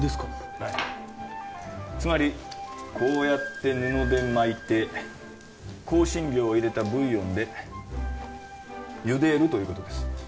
はいつまりこうやって布で巻いて香辛料を入れたブイヨンで茹でるということです